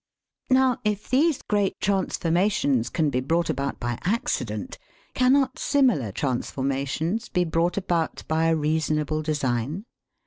Now, if these great transformations can be brought about by accident, cannot similar transformations be brought about by a reasonable design?